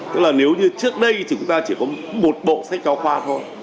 tức là nếu như trước đây chúng ta chỉ có một bộ sách giáo khoa thôi